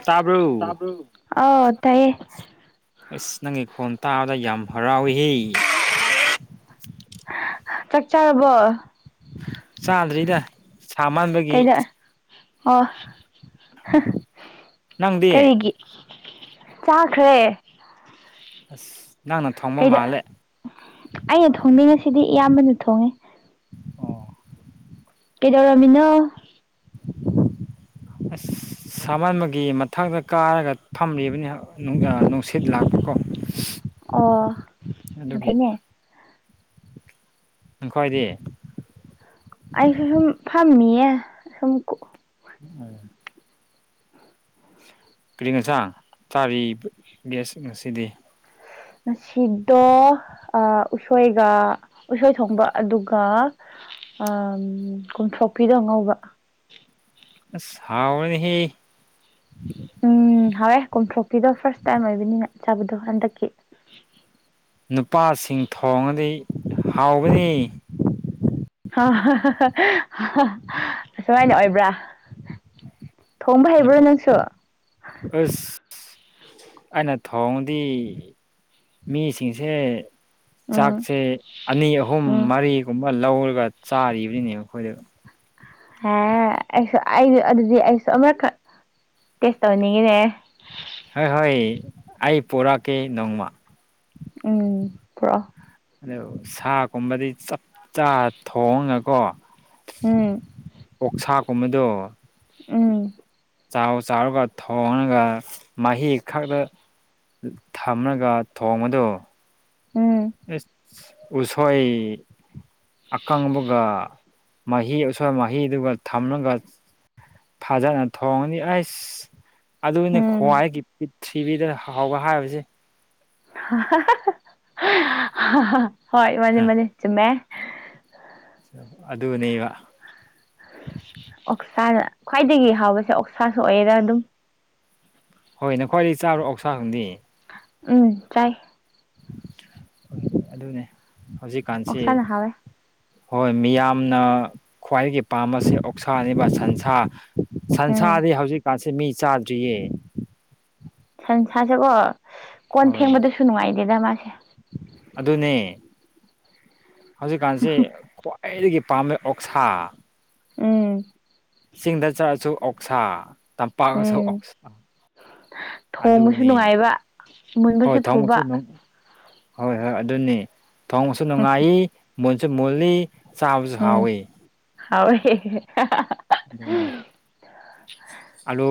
ꯇꯥꯕ꯭ꯔꯣ ꯑ ꯇꯥꯏꯌꯦ ꯑꯁ ꯅꯪꯒꯤ ꯈꯣꯟ ꯇꯥꯕꯗ ꯌꯥꯝ ꯍꯔꯥꯎꯏ ꯆꯥꯛ ꯆꯥꯔꯕꯣ ꯆꯥꯗ꯭ꯔꯤꯗ ꯁꯥ ꯃꯥꯟꯕꯒꯤ ꯀꯩꯗ ꯑꯣ ꯅꯪꯗꯤ ꯀꯔꯤꯒꯤ ꯆꯥꯈ꯭ꯔꯦ ꯑꯁ ꯅꯪꯅ ꯊꯣꯡꯕ ꯀꯩꯗ ꯃꯥꯜꯂꯦ ꯑꯩꯅ ꯊꯣꯡꯅꯤꯡꯉꯁꯤꯗꯤ ꯏꯌꯥꯝꯕꯅ ꯊꯣꯡꯉꯦ ꯑꯣ ꯀꯩꯗꯧꯔꯃꯤꯅꯣ ꯎ ꯑꯁ ꯁꯃꯟꯕꯒꯤ ꯃꯊꯛꯇ ꯀꯥꯔꯒ ꯐꯝꯂꯤꯕꯅꯤ ꯅꯨꯡꯁꯤꯠ ꯂꯥꯛꯄꯀꯣ ꯑꯣ ꯌꯥꯝ ꯑꯗꯨꯒꯤ ꯐꯅꯦ ꯎꯈꯣꯏꯗꯤ ꯑꯩꯁꯨ ꯁꯨꯝ ꯐꯝꯃꯤꯌꯦ ꯁꯨꯝ ꯑ ꯀꯔꯤ ꯉꯁꯥꯡ ꯆꯥꯔꯤꯕ ꯒꯁ ꯉꯁꯤꯗꯤ ꯉꯁꯤꯗꯣ ꯎꯁꯣꯏꯒ ꯎꯁꯣꯏ ꯊꯣꯡꯕ ꯑꯗꯨꯒ ꯎ ꯀꯨꯟꯊ꯭ꯔꯣꯛꯄꯤꯤꯗꯣ ꯑꯉꯧꯕ ꯑꯁꯥꯎꯕꯅꯤꯍ ꯎꯝ ꯍꯋꯦ ꯀꯣꯝꯊꯣꯛꯄꯤꯗꯣ ꯐꯥꯔꯁ ꯇꯥꯏꯝ ꯑꯣꯏꯕꯅꯤꯅ ꯆꯥꯕꯗꯣ ꯍꯟꯗꯛꯀꯤ ꯅꯨꯄꯥꯁꯤꯡ ꯊꯣꯡꯉꯗꯤ ꯍꯥꯎꯕꯅꯤ ꯑꯁꯨꯃꯥꯏꯅ ꯑꯣꯏꯕ꯭ꯔꯥ ꯊꯣꯡꯕ ꯍꯩꯕ꯭ꯔꯣ ꯄ ꯅꯪꯁꯨ ꯑꯁ ꯑꯩꯅ ꯊꯣꯡꯗꯤ ꯃꯤꯁꯤꯡꯁꯦ ꯎꯝ ꯆꯥꯛꯁꯦ ꯑꯅꯤ ꯑꯍꯨꯝ ꯎꯝ ꯃꯔꯤꯒꯨꯝꯕ ꯂꯧꯔꯒ ꯆꯥꯔꯤꯕꯅꯤꯅꯦꯕ ꯑꯩꯈꯣꯏꯗ ꯑꯩꯁꯨ ꯑꯩꯁꯨ ꯑꯗꯨꯗꯤ ꯑꯩꯁꯨ ꯑꯃꯛꯈꯛ ꯇꯦꯁ ꯇꯧꯍꯟꯅꯤꯡꯉꯤꯅꯦ ꯍꯣꯏ ꯍꯣꯏ ꯑꯩ ꯄꯣꯔꯛꯀꯦ ꯅꯣꯡꯃ ꯎꯝ ꯄꯨꯔꯣ ꯑꯗꯨ ꯁꯥ ꯀꯨꯝꯕꯗꯤ ꯆꯞ ꯆꯥ ꯊꯣꯡꯉꯀꯣ ꯎꯝ ꯑꯣꯛꯁꯥꯒꯨꯝꯕꯗꯣ ꯎꯝ ꯆꯥꯎ ꯆꯥꯎꯔꯒ ꯊꯣꯡꯉꯒ ꯃꯍꯤ ꯈꯛꯇ ꯊꯝꯂꯒ ꯊꯣꯡꯗ ꯎꯝ ꯎꯁꯣꯏ ꯑꯀꯪꯕꯒ ꯃꯍꯤ ꯑꯁꯋꯥ ꯃꯍꯤꯗꯨꯒ ꯊꯝꯂꯒ ꯐꯖꯅ ꯊꯣꯡꯉꯅꯤ ꯑꯩꯁ ꯑꯗꯨꯅꯦ ꯎꯝ ꯈ꯭ꯋꯥꯏꯒꯤ ꯄꯤꯔꯤꯊꯤꯕꯤꯗ ꯍꯥꯎꯕ ꯍꯥꯏꯕꯁꯦ ꯍꯣꯏ ꯃꯅꯦ ꯃꯅꯦꯦ ꯆꯃꯦ ꯑꯗꯨꯅꯦꯕ ꯑꯣꯛꯁꯥꯗ ꯈ꯭ꯋꯥꯏꯗꯒꯤ ꯍꯥꯎꯕꯁꯦ ꯑꯣꯛꯁꯥꯁꯨ ꯑꯣꯏꯌꯦꯔꯥ ꯑꯗꯨꯝ ꯍꯣꯏꯅꯦ ꯈ꯭ꯋꯥꯏꯗꯒꯤ ꯆꯥꯔ꯭ꯔꯣ ꯑꯁꯥ ꯈꯪꯗꯗꯤ ꯎꯝ ꯆꯥꯏ ꯑꯗꯨꯅꯦ ꯍꯧꯖꯤꯛꯀꯥꯟꯁꯤ ꯑꯣꯛꯁꯥꯅ ꯍꯥꯎꯋꯦ ꯍꯣꯏ ꯃꯤꯌꯥꯝꯅ ꯈ꯭ꯋꯥꯏꯗꯒꯤ ꯄꯥꯝꯕꯁꯤ ꯑꯣꯛꯁꯥꯕ ꯁꯟꯁꯥ ꯎꯝ ꯁꯟꯁꯥꯗꯤ ꯍꯧꯖꯤꯛꯀꯥꯟꯁꯦ ꯃꯤ ꯆꯥꯗ꯭ꯔꯤꯌꯦ ꯁꯟꯁꯥꯁꯦꯀꯣ ꯀꯣꯟ ꯍꯣꯏ ꯐꯦꯡꯕꯗꯁꯨ ꯅꯨꯡꯉꯥꯏꯇꯦꯗ ꯃꯥꯁꯦ ꯑꯗꯨꯅꯦ ꯍꯧꯖꯤꯛꯀꯥꯟꯁꯦ ꯑꯩꯗꯒꯤ ꯄꯥꯝꯕ ꯑꯣꯛꯁꯥ ꯎꯝ ꯆꯤꯡꯗ ꯆꯠꯂꯁꯨ ꯑꯣꯛꯁꯥ ꯇꯝꯄꯥꯛꯑꯁꯨ ꯎꯝ ꯑꯣꯛꯁꯥ ꯊꯣꯡꯕꯁꯨ ꯑꯗꯨꯅꯤ ꯅꯨꯡꯉꯥꯏꯕ ꯍꯣꯏ ꯃꯨꯟꯕꯁꯨ ꯊꯥꯎꯃꯛꯨꯁꯨ ꯊꯨꯕ ꯑꯗꯨꯪ ꯍꯣꯏ ꯍꯣꯏ ꯑꯗꯨꯅꯤ ꯊꯣꯡꯕꯁꯨ ꯅꯨꯡꯉꯥꯏ ꯃꯨꯟꯁꯨ ꯃꯨꯜꯂꯤ ꯆꯥꯕꯁꯨ ꯍꯥꯎꯋ ꯍ ꯑꯗꯨꯅꯦ ꯑꯥꯂꯨ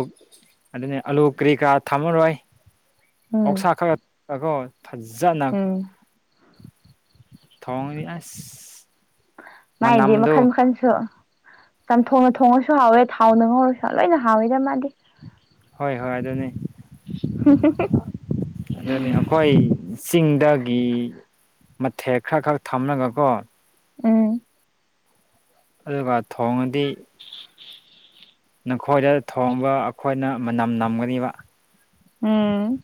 ꯑꯗꯨꯅꯤ ꯑꯥꯂꯨ ꯀꯔꯤ ꯀꯔꯥ ꯊꯝꯃꯔꯣꯏ ꯎꯝ ꯑꯣꯛꯁꯥ ꯈꯔ ꯑꯩꯈꯣ ꯐꯖꯅꯥ ꯎꯝ ꯊꯣꯡ ꯏ ꯑꯁ ꯃꯥꯏꯗꯤ ꯃꯈꯜ ꯃꯅꯝꯗꯨ ꯃꯈꯟꯁꯨ ꯆꯝꯊꯣꯡꯅ ꯊꯣꯡꯉꯁꯨ ꯍꯥꯎꯋꯦ ꯊꯥꯎꯅ ꯉꯧꯔꯁꯨ ꯂꯣꯏꯅ ꯍꯥꯎꯋꯦꯗ ꯃꯥꯗꯤ ꯍꯣꯏ ꯍꯣꯏ ꯑꯗꯨꯅꯦ ꯍ ꯑꯗꯨꯅꯤ ꯑꯩꯈꯣꯏ ꯆꯤꯡꯗꯒꯤ ꯃꯊꯦꯛ ꯈꯔ ꯈꯔ ꯊꯝꯂꯒꯀꯣ ꯎꯝ ꯑꯗꯨꯒ ꯊꯣꯡꯉꯗꯤ ꯅꯈꯣꯏꯗ ꯊꯣꯡꯕ ꯑꯩꯈꯣꯏꯅ ꯃꯅꯝ ꯅꯝꯒꯅꯤꯕ ꯎꯝ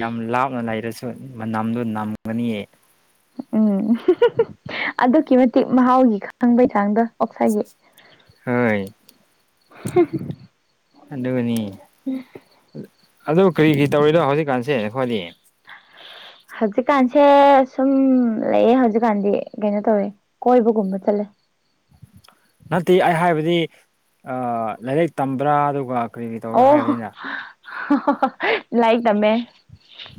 ꯌꯥꯝ ꯂꯥꯞꯅ ꯂꯩꯔꯁꯨ ꯃꯅꯝꯗꯨ ꯅꯝꯒꯅꯤꯌꯦ ꯎꯝ ꯑꯗꯨꯛꯀꯤ ꯃꯇꯤꯛ ꯃꯍꯥꯎꯒꯤ ꯈꯪꯕꯩ ꯆꯥꯡꯗꯣ ꯑꯣꯛꯁꯥꯏꯒꯤ ꯍꯣꯏ ꯑꯗꯨꯒꯅꯤ ꯑꯗꯨ ꯀꯔꯤ ꯀꯔꯤ ꯇꯧꯔꯤꯅꯣ ꯍꯧꯖꯤꯛꯀꯥꯟꯁꯦ ꯑꯩꯈꯣꯏꯗꯤ ꯍꯧꯖꯤꯛꯀꯥꯟꯁꯦ ꯁꯨꯝ ꯂꯩꯌꯦ ꯍꯧꯖꯤꯛꯀꯥꯟꯗꯤ ꯀꯩꯅꯣ ꯇꯧꯋꯦ ꯀꯣꯏꯕꯒꯨꯝꯕ ꯆꯠꯂꯦ ꯅꯠꯇꯦ ꯑꯩ ꯍꯥꯏꯕꯗꯤ ꯂꯥꯏꯔꯤꯛ ꯇꯝꯕ꯭ꯔꯥ ꯑꯗꯨꯒ ꯀꯔꯤ ꯀꯔꯤ ꯇꯧꯔꯥ ꯑꯣꯣ ꯍꯥꯏꯕꯅꯤꯅ ꯂꯥꯏꯔꯤꯛ ꯇꯝꯃꯦ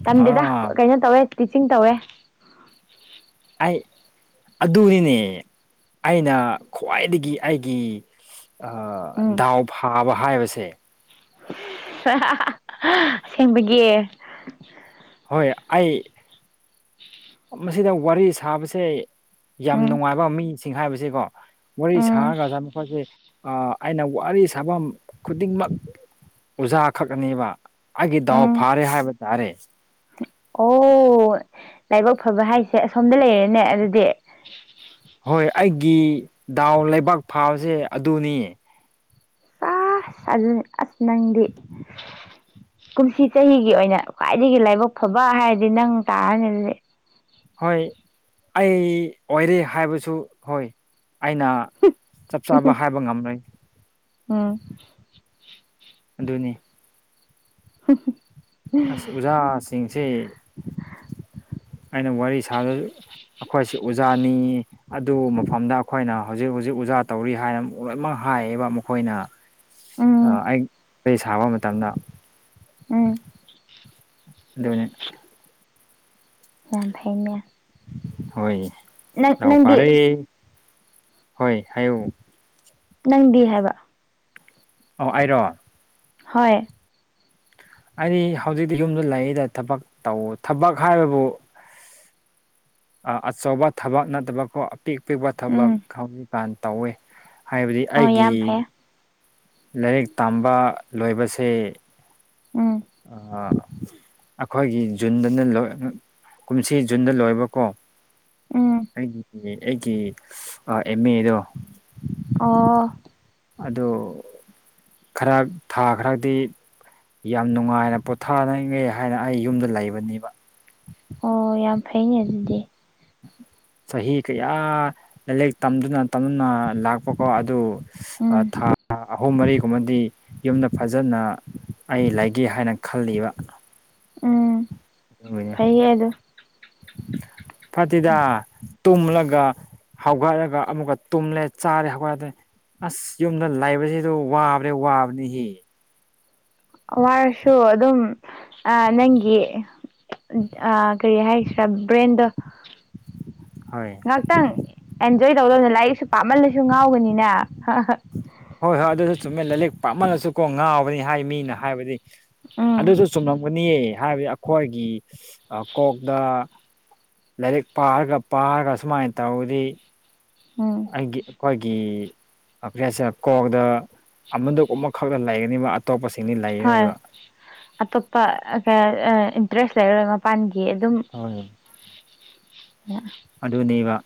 ꯇꯝꯗꯦꯗ ꯑꯥ ꯀꯩꯅꯣ ꯇꯧꯋꯦ ꯇꯤꯆꯤꯡ ꯇꯧꯋꯦ ꯑꯩ ꯑꯗꯨꯅꯤꯅꯦ ꯑꯩꯅ ꯈ꯭ꯋꯥꯏꯗꯒꯤ ꯑꯩꯒꯤ ꯎꯝ ꯗꯥꯎ ꯐꯥꯕ ꯍꯥꯏꯕꯥꯥꯁꯦ ꯑꯁꯦꯡꯕꯥꯥꯒꯤ ꯍꯣꯏ ꯑꯩ ꯃꯁꯤꯗ ꯋꯥꯔꯤ ꯁꯥꯕꯁꯦ ꯌꯥꯝ ꯎꯝ ꯅꯨꯡꯉꯥꯏꯕ ꯃꯤꯁꯤꯡ ꯍꯥꯏꯕꯁꯤꯀꯣ ꯃꯣꯔ ꯎꯝ ꯁꯥꯥꯡꯉꯒ ꯆꯈꯠꯁꯦ [inaudible] ꯑꯩꯅ ꯋꯥꯔꯤ ꯁꯥꯐꯝ ꯈꯨꯗꯤꯡꯃꯛ ꯑꯣꯖꯥ ꯈꯛꯅꯦꯕ ꯑꯩꯒꯤ ꯗꯥꯎ ꯎꯝ ꯐꯥꯔꯦ ꯍꯥꯏꯕ ꯇꯥꯔꯦ ꯑꯣ ꯂꯥꯏꯕꯛ ꯐꯕ ꯍꯥꯏꯁꯦ ꯑꯁꯣꯝꯗ ꯂꯩꯔꯦꯅꯦ ꯑꯗꯨꯗꯤ ꯍꯣꯏ ꯑꯩꯒꯤ ꯗꯥꯎꯟ ꯂꯩꯕꯥꯛ ꯐꯥꯕꯁꯦ ꯑꯗꯨꯅꯤ ꯆ [inaudible] ꯁꯥꯖ ꯑꯁ [inaudible] ꯅꯪꯗꯤ ꯀꯨꯝꯁꯤ ꯆꯍꯤꯒꯤ ꯑꯣꯏꯅ ꯈ꯭ꯋꯥꯏꯗꯒꯤ ꯂꯥꯏꯕꯛ ꯐꯕ ꯍꯥꯏꯔꯗꯤ ꯅꯪ ꯇꯥꯔꯅꯤꯗꯤ ꯍꯣꯏ ꯑꯩ ꯑꯣꯏꯔꯦ ꯍꯥꯏꯕꯁꯨ ꯍꯣꯏ ꯑꯩꯅꯥ ꯆꯞ ꯆꯥꯕ ꯍꯥꯏꯕ ꯉꯝꯂꯣꯏ ꯎꯝ ꯑꯗꯨꯅꯤ [unintelligible] ꯑꯁ ꯑꯣꯖꯥꯁꯤꯡꯁꯤ ꯑꯩꯅ ꯋꯥꯔꯤ ꯁꯥꯕ ꯑꯩꯈꯣꯏꯁꯤ ꯑꯣꯖꯥꯅꯤ ꯑꯗꯨ ꯃꯐꯝꯗ ꯑꯩꯈꯣꯏꯅ ꯍꯧꯖꯤꯛ ꯍꯧꯖꯤꯛ ꯑꯣꯖꯥ ꯇꯧꯔꯤ ꯍꯥꯏꯅ ꯂꯣꯏꯅꯃꯛ ꯍꯥꯏꯌꯦꯕ ꯃꯈꯣꯏꯅ ꯎꯝ ꯑꯩ ꯑꯩ ꯁꯥꯕ ꯃꯇꯝꯗ ꯎꯝ ꯑꯗꯨꯅꯦ ꯌꯥꯐꯅꯦ ꯍꯣꯏ ꯂꯥꯎ ꯅꯪꯗꯤ ꯐꯔꯦ ꯍꯣꯏ ꯍꯥꯏꯌꯨ ꯅꯪꯗꯤ ꯍꯥꯏꯕ ꯑꯣ ꯑꯩꯔꯣ ꯍꯣꯏ ꯑꯩꯗꯤ ꯍꯧꯖꯤꯛꯇꯤ ꯌꯨꯝꯗ ꯂꯩꯔꯤꯗ ꯊꯕꯛ ꯇꯧ ꯊꯕꯛ ꯍꯥꯏꯕꯕꯨ ꯑꯆꯧꯕ ꯊꯕꯛ ꯅꯠꯇꯕꯀꯣ ꯑꯄꯤꯛ ꯑꯄꯤꯛꯄ ꯊꯕꯛ ꯎꯝ ꯍꯧꯖꯤꯛꯀꯥꯟ ꯇꯧꯋꯤ ꯍꯥꯏꯕꯗꯤ ꯍꯣꯏ ꯑꯩꯒꯤ ꯌꯥꯝ ꯐꯩ ꯂꯥꯏꯔꯤꯛ ꯇꯝꯕ ꯂꯣꯏꯕꯁꯦ ꯎꯝ ꯑꯥ ꯑꯩꯈꯣꯏꯒꯤ ꯖꯨꯟꯗꯅ ꯂꯣꯏ ꯀꯨꯝꯁꯤ ꯖꯨꯟꯗ ꯂꯣꯏꯕꯥꯥꯀꯣ ꯎꯝ ꯑꯩꯒꯤ ꯑꯩꯒꯤ ꯑꯥ ꯑꯦꯝ ꯑꯦꯗꯣ ꯑꯣ ꯑꯗꯨ ꯈꯔ ꯊꯥ ꯈꯔꯗꯤ ꯌꯥꯝ ꯅꯨꯡꯉꯥꯏꯅ ꯄꯣꯊꯥꯅꯤꯉꯦ ꯍꯥꯏꯅ ꯑꯩ ꯌꯨꯝꯗ ꯂꯩꯕꯅꯦꯕ ꯑꯣ ꯌꯥꯝ ꯐꯩꯅꯦ ꯑꯗꯨꯗꯤ ꯆꯍꯤ ꯀꯌꯥ ꯂꯥꯏꯔꯤꯛ ꯇꯝꯗꯨꯅ ꯇꯝꯗꯨꯅ ꯂꯥꯛꯄ ꯀꯣ ꯑꯗꯨ ꯎꯝ ꯑꯥ ꯊꯥ ꯑꯍꯨꯝ ꯃꯔꯤꯒꯨꯝꯕꯗꯤ ꯌꯨꯝꯗ ꯐꯖꯅ ꯑꯩ ꯂꯩꯒꯦ ꯍꯥꯏꯅ ꯈꯜꯂꯤꯕ ꯎꯝ ꯑꯗꯨꯒꯤꯅꯤ ꯐꯩꯌꯦ ꯑꯗꯣ ꯐꯠꯇꯤꯗꯥ ꯇꯨꯝꯂꯒ ꯍꯧꯒꯠꯂꯒ ꯑꯃꯨꯛꯀꯥ ꯇꯨꯝꯂꯦ ꯆꯥꯔꯦ ꯍꯧꯒꯠꯂꯦ ꯑꯁ ꯌꯨꯝꯗ ꯂꯩꯕꯁꯤꯗ ꯋꯥꯕ꯭ꯔꯦ ꯋꯥꯕꯅꯤꯍꯦ ꯋꯥꯔꯁꯨ ꯑꯗꯨꯝ ꯅꯪꯒꯤ ꯀꯔꯤ ꯍꯥꯏꯁꯤ꯭ꯔꯥ ꯕ꯭ꯔꯦꯟꯗꯣ ꯍꯣꯏ ꯉꯥꯛꯇꯪ ꯑꯦꯟꯖꯣꯏ ꯇꯧꯗꯕꯅ ꯂꯥꯏꯔꯤꯛꯁꯨ ꯄꯥꯝꯃꯜꯂꯁꯨ ꯉꯥꯎꯒꯅꯤꯅ ꯍꯣꯏ ꯍꯣꯏ ꯑꯗꯨꯁꯨ ꯆꯨꯝꯃꯦ ꯂꯥꯂꯤꯛ ꯄꯥꯃꯜꯂꯁꯨ ꯀꯣ ꯉꯥꯎꯕꯅꯤ ꯍꯥꯏ ꯃꯤꯅ ꯍꯥꯏꯕꯗꯤ ꯎꯝ ꯑꯗꯨꯁꯨ ꯆꯨꯝꯅ ꯒꯨꯅꯤꯌꯦ ꯍꯥꯏꯕꯗꯤ ꯑꯩꯈꯣꯏꯒꯤ ꯀꯣꯛꯗ ꯂꯥꯏꯔꯤꯛ ꯄꯥꯔꯒ ꯄꯥꯔꯒ ꯁꯨꯃꯥꯏꯅ ꯇꯧꯔꯤ ꯎꯝ ꯑꯩꯒꯤ ꯑꯩꯈꯣꯏꯒꯤ ꯒ꯭ꯔꯦꯁꯤꯌꯥ ꯀꯣꯛꯗ ꯑꯃꯗꯨ ꯑꯃꯈꯛꯇ ꯂꯩꯒꯅꯤꯕ ꯑꯇꯣꯞꯄꯁꯤꯡꯗꯤ ꯍꯣꯏ ꯂꯩꯔꯔꯣꯏꯕ ꯑꯇꯣꯞꯄ ꯏꯟꯇꯔꯦꯁ ꯂꯩꯔꯔꯣꯏ ꯃꯄꯥꯟꯒꯤ ꯑꯗꯨꯝ ꯍꯣꯏ [unintelligible] ꯑꯗꯨꯅꯦꯕ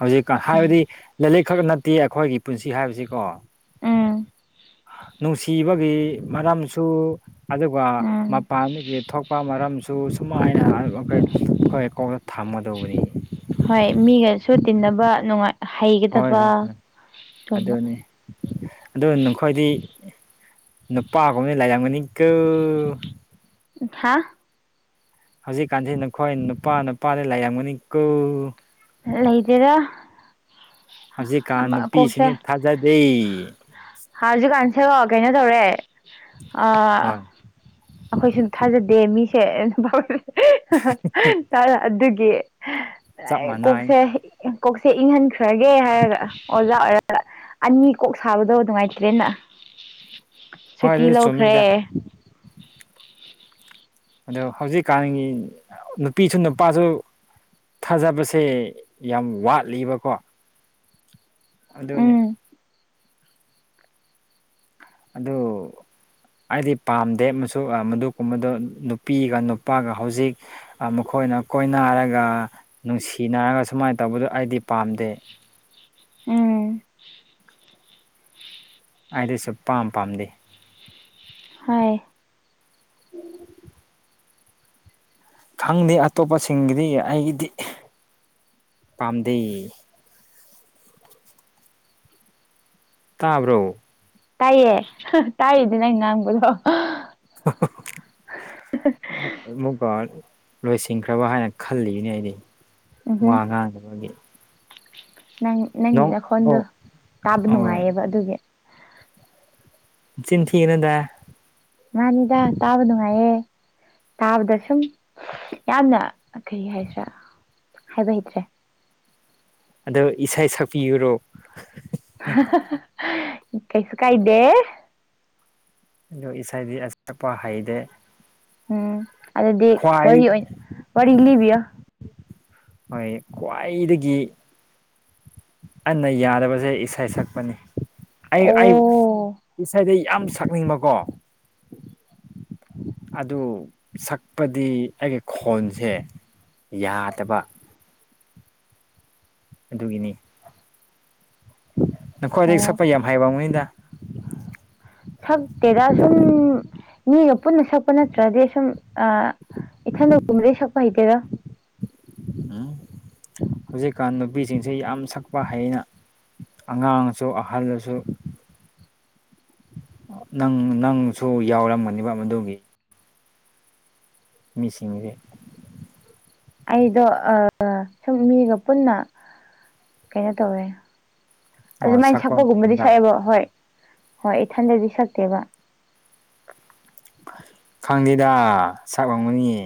ꯍꯧꯖꯤꯛꯀꯥꯟ ꯍꯥꯏꯕꯗꯤ ꯂꯥꯂꯤꯛ ꯈꯛ ꯅꯠꯇꯦ ꯑꯩꯈꯣꯏꯒꯤ ꯄꯨꯟꯁꯤ ꯍꯥꯏꯕꯁꯤꯀꯣ ꯎꯝ ꯅꯨꯡꯁꯤꯕꯒꯤ ꯃꯔꯝꯁꯨ ꯑꯗꯨꯒ ꯎꯝ ꯃꯄꯥꯟꯗꯒꯤ ꯊꯣꯛꯄ ꯃꯔꯝꯁꯨ ꯁꯨꯃꯥꯏꯅ ꯑꯩꯈꯣꯏ ꯑꯩꯈꯣꯏ ꯀꯣꯛꯗ ꯊꯝꯒꯗꯧꯕꯅꯤ ꯍꯣꯏ ꯃꯤꯒꯁꯨ ꯇꯤꯟꯅꯕ ꯅꯨꯡꯉꯥꯏ ꯍꯩꯒꯗꯕ ꯁꯨꯝꯕ ꯑꯗꯨꯒ ꯅꯈꯣꯏꯗꯤ ꯅꯨꯄꯥꯒꯨꯝꯕꯅ ꯂꯥꯏꯔꯝꯒꯅꯤꯀꯨ ꯍꯥꯥ ꯍꯧꯖꯤꯛꯀꯥꯟꯁꯤ ꯅꯈꯣꯏ ꯅꯨꯄꯥ ꯅꯨꯄꯥꯅ ꯂꯥꯏꯔꯡꯒꯅꯤ ꯀꯨ ꯂꯩꯇꯦꯗ ꯍꯧꯖꯤꯛꯀꯥꯟ ꯅꯨꯄꯤꯁꯤꯡꯁꯤ ꯊꯥꯖꯗꯦ ꯍꯥꯖꯨꯛꯀꯥꯟꯁꯦꯔꯣ ꯀꯩꯅꯣ ꯇꯧꯔꯦ ꯑꯥ ꯍꯣꯏ ꯑꯩꯈꯣꯏꯁꯨ ꯊꯥꯖꯗꯦ ꯃꯤꯁꯦ [unintelligible] [unintelligible] ꯑꯗꯨꯒꯤ ꯆꯞ ꯃꯥꯟꯅꯩ ꯀꯣꯛꯁꯦ ꯀꯣꯛꯁꯦ ꯏꯪꯍꯟꯈ꯭ꯔꯒꯦ ꯍꯥꯏꯔꯒ ꯑꯣꯖꯥ ꯑꯣꯏꯔ ꯑꯅꯤ ꯀꯣꯛ ꯁꯥꯕꯗꯣ ꯅꯨꯡꯉꯥꯏꯇ꯭ꯔꯦꯅ ꯍꯣꯏ ꯁꯨꯇꯤ ꯑꯗꯨꯁꯨ ꯂꯧꯈ꯭ꯔꯦ ꯆꯨꯝꯃꯤꯗ ꯑꯗꯣ ꯍꯧꯖꯤꯛꯀꯥꯟꯒꯤ ꯅꯨꯄꯤꯁꯨ ꯅꯨꯄꯥꯁꯨ ꯊꯥꯖꯕꯁꯦ ꯌꯥꯝ ꯋꯥꯠꯂꯤꯕꯀꯣ ꯑꯗꯨꯅꯤ ꯎꯝ ꯑꯗꯨ ꯑꯩꯗꯤ ꯄꯥꯝꯗꯦ ꯃꯗꯨꯒꯨꯝꯕꯗꯨ ꯅꯨꯄꯤꯒ ꯅꯨꯄꯥꯒ ꯍꯧꯖꯤꯛ ꯃꯈꯣꯏꯅ ꯀꯣꯏꯅꯔꯒ ꯅꯨꯡꯁꯤꯅꯔꯒ ꯁꯨꯃꯥꯏꯅ ꯇꯧꯕꯗꯨ ꯑꯩꯗꯤ ꯄꯥꯝꯗꯦ ꯎꯝ ꯑꯩꯗꯁꯨ ꯄꯥꯝ ꯄꯥꯝꯗꯦ ꯍꯥꯏ ꯎꯝ ꯈꯪꯗꯦ ꯑꯇꯣꯞꯄꯁꯤꯡꯒꯤꯗꯤ ꯑꯩꯒꯤꯗꯤ ꯄꯥꯝꯗꯩ ꯇꯥꯕ꯭ꯔꯣ ꯇꯥꯏꯌꯦꯦ ꯇꯥꯏꯔꯤꯗꯨ ꯅꯪ ꯅꯪꯕꯗꯣ ꯑ ꯑꯃꯨꯛꯀ ꯂꯣꯏꯁꯤꯟꯈ꯭ꯔꯕ ꯍꯥꯏꯅ ꯈꯜꯂꯤꯕꯅꯦ ꯑꯩꯗꯤ ꯎꯝꯍꯨꯝ ꯋꯥ ꯉ ꯃꯥꯦ ꯅꯪ ꯅꯪꯒꯤ ꯑꯣ ꯂꯧꯈꯣꯟꯗꯣ ꯇꯥꯕ ꯑꯣꯏ ꯅꯨꯡꯉꯥꯏꯌꯦꯕ ꯑꯗꯨꯒꯤ ꯆꯤꯟ ꯊꯤꯒꯅꯗ ꯃꯥꯅꯤꯗ ꯇꯥꯕ ꯅꯨꯡꯉꯥꯏꯌꯦ ꯇꯥꯕꯗ ꯁꯨꯝ ꯌꯥꯝꯅ ꯀꯩ ꯍꯥꯏꯁ꯭ꯔꯦ ꯍꯥꯏꯕ ꯍꯩꯇ꯭ꯔꯦ ꯑꯗꯣ ꯏꯁꯩ ꯁꯛꯄꯤꯌꯨꯔꯣ ꯀꯩꯁꯨ ꯀꯥꯏꯗꯦ ꯑꯣ ꯏꯁꯩꯗꯤ ꯑꯁꯛꯄ ꯍꯩꯗꯦ ꯎꯝ ꯑꯗꯨꯗꯤ ꯋꯥꯔꯤ ꯈ꯭ꯋꯥꯏ ꯑꯣꯏꯅ ꯋꯥꯔꯤ ꯂꯤꯕꯤꯌꯣ ꯍꯣꯏ ꯈ꯭ꯋꯥꯏꯗꯒꯤ ꯑꯟꯅ ꯌꯥꯗꯕꯁꯦ ꯏꯁꯩ ꯁꯛꯄꯅꯤ ꯑꯩ ꯑꯩ ꯑꯣ ꯏꯁꯥꯏꯗ ꯌꯥꯝ ꯁꯛꯅꯤꯡꯕꯀꯣ ꯑꯗꯨ ꯁꯛꯄꯗꯤ ꯑꯩꯒꯤ ꯈꯣꯟꯁꯦ ꯌꯥꯗꯕ ꯑꯗꯨꯒꯤꯅꯤ ꯅꯈꯣꯏ ꯑꯗꯒꯤꯩ ꯑꯣ ꯁꯛꯄ ꯌꯥꯝ ꯍꯥꯏꯕ ꯃꯤꯣꯏꯗ ꯁꯛꯇꯦꯗ ꯁꯨꯝ ꯃꯤꯒ ꯄꯨꯟꯅ ꯁꯛꯄ ꯅꯠꯇ꯭ꯔꯗꯤ ꯁꯨꯝ ꯏꯊꯟꯗ ꯀꯨꯝꯗꯦꯁꯄꯥꯏꯇꯦꯥ ꯎ ꯍꯧꯖꯤꯛꯀꯥꯟ ꯅꯨꯄꯤꯁꯤꯡꯁꯤ ꯌꯥꯝ ꯁꯛꯄ ꯍꯩꯅ ꯑꯉꯥꯡꯁꯨ ꯑꯍꯜꯂꯁꯨ ꯅꯪ ꯅꯪꯁꯨ ꯌꯥꯎꯔꯝꯒꯅꯦꯕ ꯃꯗꯨꯒꯤ ꯃꯤꯁꯤꯡꯁꯤꯡꯁꯦ ꯑꯩꯗꯣ ꯁꯨꯝ ꯃꯤꯒ ꯄꯨꯟꯅ ꯀꯩꯅꯣ ꯇꯧꯋꯦ ꯑꯣ ꯑꯗꯨꯃꯥꯏꯅ ꯁꯛꯄ ꯁꯛꯄꯒꯨꯝꯕꯗꯤ ꯃꯇꯝꯗ ꯁꯛꯑꯦꯕ ꯍꯣꯏ ꯍꯣꯏ ꯏꯊꯟꯗꯗꯤ ꯁꯛꯇꯦꯕ ꯈꯪꯗꯦꯗ ꯁꯛ ꯉꯪꯒꯅꯤꯌꯦ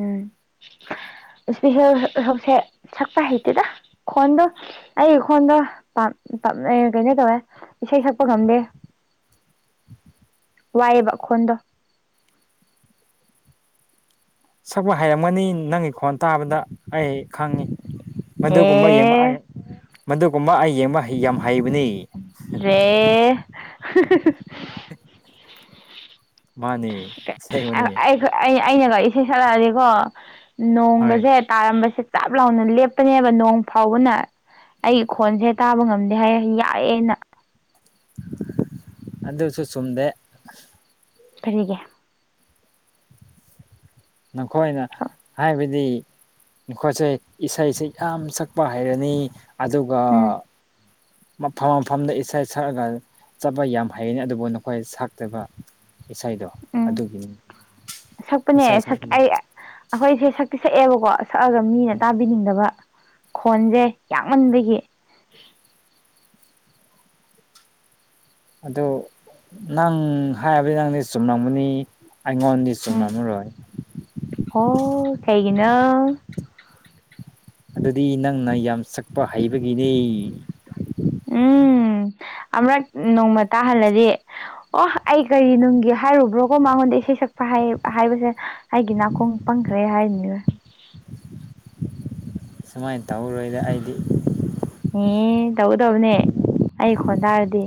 ꯎꯝ ꯏꯁꯄꯤꯦꯜ ꯁꯣꯁꯦ ꯁꯛꯛꯇ ꯍꯩꯇꯦꯗ ꯈꯣꯟꯗ ꯑꯩ ꯏꯈꯣꯟꯗ ꯀꯩꯅꯣ ꯇꯧꯋꯦ ꯏꯁꯩ ꯁꯛꯄ ꯉꯝꯗꯦ ꯋꯥꯏꯑꯦꯕ ꯈꯣꯟꯗꯣ ꯁꯛꯄ ꯍꯥꯏꯩꯔꯝꯒꯅꯤ ꯅꯪꯒꯤ ꯈꯣꯟ ꯇꯥꯕꯗ ꯑꯩ ꯈꯪꯉꯤ ꯃꯗꯨꯒꯨꯝꯕ ꯌꯦꯡꯕ ꯑꯦ ꯑꯩ ꯃꯗꯨꯒꯨꯝꯕ ꯑꯩ ꯌꯦꯡꯕ ꯌꯥꯝ ꯍꯩꯕꯅꯤ ꯔꯦ ꯃꯥꯅꯦ ꯑꯩꯅꯒ ꯏꯁꯩ ꯁꯛꯂꯛꯑꯗꯤꯀꯣ ꯍꯣꯏ ꯅꯣꯡꯒꯁꯦ ꯇꯥꯔꯝꯕꯁꯦ ꯆꯞ ꯂꯥꯎꯅ ꯂꯦꯞꯄꯅꯦꯕ ꯅꯣꯡ ꯐꯥꯎꯕꯅ ꯑꯩꯒꯤ ꯈꯣꯟꯁꯦ ꯇꯥꯕ ꯉꯝꯗꯦ ꯍꯥꯏꯌꯦ ꯌꯥꯏꯑꯦꯅ ꯑꯗꯨꯗꯁꯨ ꯆꯨꯝꯗꯦ ꯐꯔꯤꯒꯦ ꯅꯈꯣꯏꯅ ꯍꯥꯏꯕꯗꯤ ꯑꯩꯈꯣꯏꯁꯦ ꯏꯁꯩꯁꯦ ꯌꯥꯝ ꯁꯛꯄ ꯍꯩꯔꯅꯤ ꯑꯗꯨꯒ ꯎꯝ ꯃꯐꯝ ꯃꯐꯝꯗ ꯏꯁꯩ ꯁꯛꯂꯒ ꯆꯠꯄ ꯌꯥꯝ ꯍꯩꯅꯤ ꯑꯗꯨꯕꯨ ꯅꯈꯣꯏ ꯁꯛꯇꯕ ꯏꯁꯩꯗꯣ ꯎꯝ ꯑꯗꯨꯒꯤꯅꯤ ꯏꯁꯩ ꯁꯛꯄꯅꯦ ꯁ ꯁꯛ ꯑꯩ ꯑꯩꯈꯣꯏꯁꯦ ꯁꯛꯇꯤ ꯁꯛꯑꯦꯕꯀꯣ ꯁꯛꯑꯒ ꯃꯤꯅ ꯇꯥꯕꯤꯅꯤꯡꯗꯕ ꯈꯣꯟꯁꯦ ꯌꯥꯝꯃꯟꯗꯒꯤ ꯑꯗꯨ ꯅꯪ ꯍꯥꯏꯔꯕꯗꯤ ꯅꯪꯗꯤ ꯆꯨꯝꯅꯤꯡꯕꯅꯤ ꯑꯩꯉꯣꯟꯗꯤ ꯅꯝ ꯔꯦ ꯍ ꯀꯩꯒꯤꯅ ꯑꯗꯨꯗꯤ ꯅꯪꯅ ꯌꯥꯝ ꯆꯛꯄ ꯍꯩꯕꯒꯤꯅꯦ ꯎꯝ ꯑꯃꯔꯛ ꯅꯣꯡꯃ ꯇꯥꯍꯜꯂꯗꯤ ꯑꯣ ꯑꯩ ꯀꯔꯤ ꯅꯨꯡꯒꯤ ꯍꯥꯏꯔꯨꯕ꯭ꯔꯣꯀꯣ ꯃꯉꯣꯟꯗ ꯏꯁꯩ ꯁꯛꯄ ꯍꯥꯏ ꯍꯥꯏꯕꯁꯦ ꯍꯥꯏꯒꯤ ꯅꯥꯀꯣꯡ ꯄꯪꯈ꯭ꯔꯦ ꯍꯥꯏꯔꯤꯅꯤ ꯁꯨꯃꯥꯏꯅ ꯇꯧꯔꯣꯏꯗ ꯑꯩꯗꯤ ꯑꯦ ꯇꯧꯒꯗꯕꯅꯦ ꯑꯩ ꯈꯣꯟ ꯇꯥꯔꯗꯤ